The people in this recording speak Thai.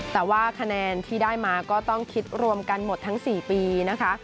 แต่ว่าคะแนนที่ได้มาก็ต้องคิดรวมกันหมดทั้ง๔ปีนะคะ